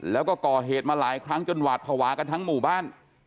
แล้วก็ก่อเหตุมาหลายครั้งจนหวาดภาวะกันทั้งหมู่บ้าน